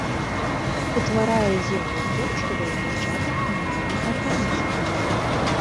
Утварае зіготу, што дае пачатак новаму арганізму.